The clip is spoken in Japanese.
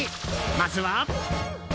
まずは。